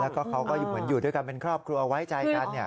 แล้วก็เขาก็เหมือนอยู่ด้วยกันเป็นครอบครัวไว้ใจกัน